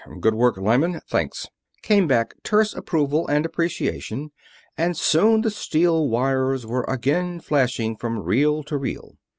Good work, Lyman thanks," came back terse approval and appreciation, and soon the steel wires were again flashing from reel to reel.